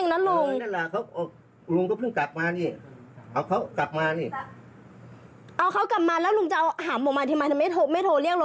ยังมีหน้าเกรงใจอีกก็เจ็บขนาดนี้นี้